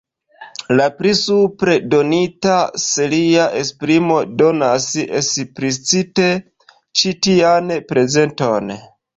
La pli supre donita seria esprimo donas eksplicite ĉi tian prezenton.